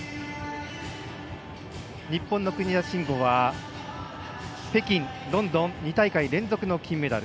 日本の国枝慎吾は北京、ロンドン２大会連続の金メダル。